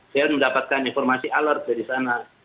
saya mendapatkan informasi alert dari sana